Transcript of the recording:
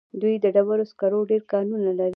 دوی د ډبرو سکرو ډېر کانونه لري.